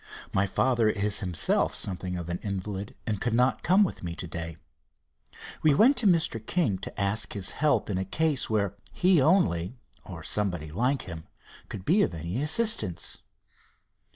"My father is himself something of an invalid and could not come with me to day. We went to Mr. King to ask his help in a case where he only, or somebody like him, could be of any assistance."